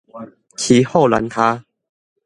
騎虎難下